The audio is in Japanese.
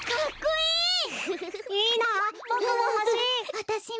わたしも。